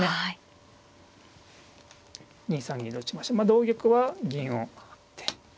２三銀と打ちましてまあ同玉は銀を上がって。